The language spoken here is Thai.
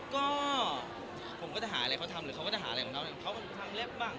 ก็ผมก็จะหาอะไรที่เขาทำเขาก็จะหาชีวิตและทำเล็บบ้าง